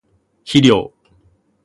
肥料